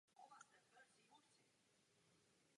Vodu do jezera přivádějí tři potoky.